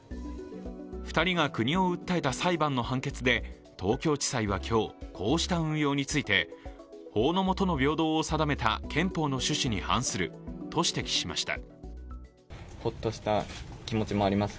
２人が国を訴えた裁判の判決で東京地裁は今日こうした運用について法の下の平等を定めた憲法の趣旨に反すると指摘しました。